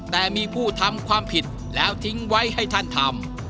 แต่มีผู้ทำความผิดแล้วทิ้งไว้ให้ท่านทำ